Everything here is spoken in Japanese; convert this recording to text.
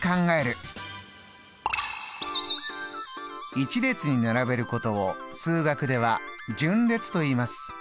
１列に並べることを数学では「順列」といいます。